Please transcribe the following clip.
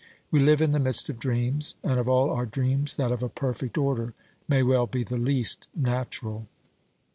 We live in the midst of dreams, and of all our dreams that of a perfect order may well be the least natural.